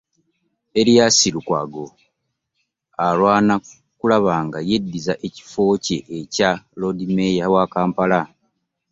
Erias Lukwago alwana okulaba nga yeddiza ekifo kye ekya Loodimmeeya wa Kampala